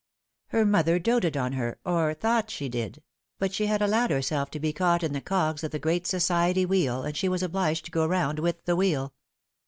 Her mother doted on her, or thought she did ; but she had allowed herself to be caught in the cogs of the great society wheel, and she was obliged to go round with the wheel.